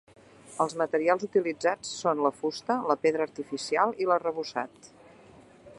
Els materials utilitzats són la fusta, la pedra artificial i l'arrebossat.